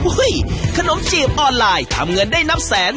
ขนมจีบออนไลน์ทำเงินได้นับแสน